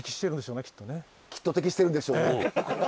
「きっと適してるんでしょうね」。